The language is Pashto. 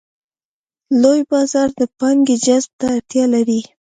لوی بازار د پانګې جذب ته اړتیا لري.